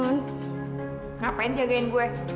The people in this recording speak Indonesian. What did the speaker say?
ngapain jagain gue